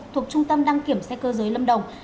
thuộc trung tâm đăng kiểm xe cơ giới lâm đồng